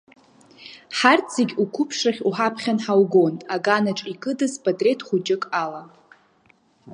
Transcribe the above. Ҳарҭ зегь уқәыԥшрахь уҳаԥхьан ҳаугон, аганаҿ икыдыз патреҭ хәыҷык ала.